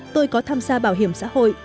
tôi có tham gia bảo hiểm xã hội